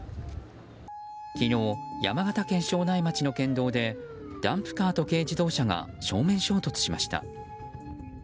昨日、山形県庄内町の県道でダンプカーと軽自動車が正面衝突しました。